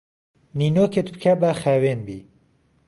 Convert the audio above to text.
نینۆکت بکە با خاوێن بی